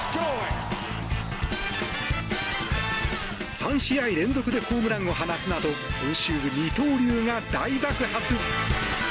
３試合連続でホームランを放つなど今週、二刀流が大爆発。